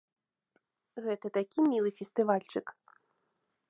Гэта такі мілы фестывальчык.